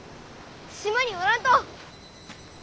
島におらんと。